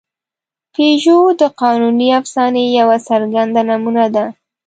پيژو د قانوني افسانې یوه څرګنده نمونه ده.